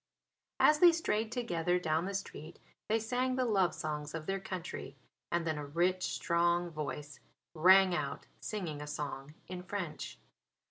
As they strayed together down the street they sang the love songs of their country and then a rich, strong voice rang out singing a song in French.